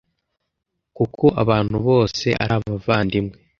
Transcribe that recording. kuko abantu bose ari abavandimwe